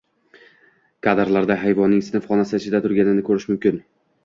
Kadrlarda hayvonning sinf xonasi ichida turganini ko‘rish mumkin